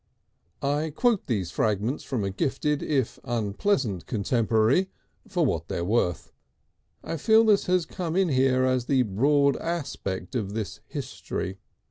I quote these fragments from a gifted, if unpleasant, contemporary for what they are worth. I feel this has come in here as the broad aspect of this History.